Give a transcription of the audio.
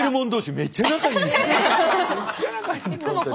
めっちゃ仲いいんです本当に。